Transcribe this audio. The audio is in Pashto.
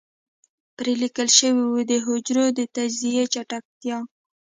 پرې ليکل شوي وو د حجرو د تجزيې چټکتيا.